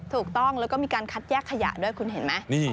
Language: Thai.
ถูกต้องแล้วก็มีการคัดแยกขยะด้วยคุณเห็นไหม